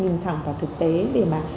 nhìn thẳng vào thực tế để mà